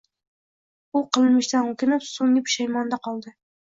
U qilmishidan o`kinib, so`nggi pushaymonda qoldi